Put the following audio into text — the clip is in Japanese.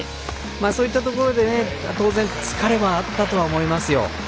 そういったところで当然疲れもあったとは思いますよ。